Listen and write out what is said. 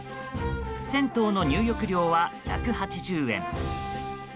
銭湯の入浴料は１８０円。